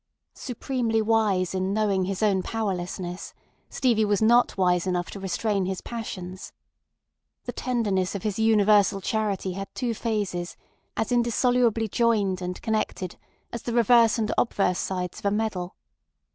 Supremely wise in knowing his own powerlessness, Stevie was not wise enough to restrain his passions. The tenderness of his universal charity had two phases as indissolubly joined and connected as the reverse and obverse sides of a medal.